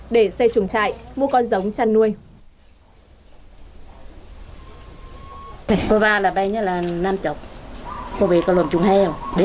để xây chuồng trại mua con giống chăn nuôi